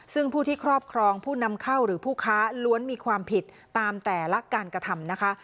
ซึ่งผู้ที่ครอบครองผู้นำเข้าหรือผู้ค้าล้วนมีความผิดตามแต่ละการกระทำนะคะ